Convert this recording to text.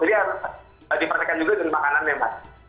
jadi harus dipartikan juga dengan makanan memang